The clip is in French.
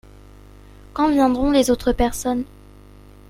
Quand viendront les autres personnes ?